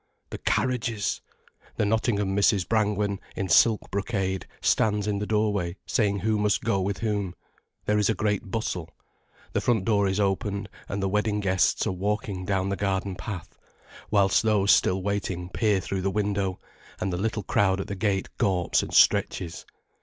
The carriages! The Nottingham Mrs. Brangwen, in silk brocade, stands in the doorway saying who must go with whom. There is a great bustle. The front door is opened, and the wedding guests are walking down the garden path, whilst those still waiting peer through the window, and the little crowd at the gate gorps and stretches.